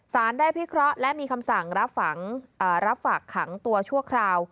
สารได้พิเคราะห์และมีคำสั่งรับฝากขังตัวชั่วคราว